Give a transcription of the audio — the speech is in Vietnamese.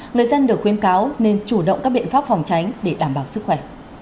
người dân được khuyến cáo nên chủ động các biện pháp phòng tránh để đảm bảo sức khỏe